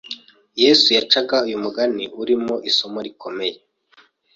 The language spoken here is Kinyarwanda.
Yesu yacaga uyu mugani urimo isomo rikomeye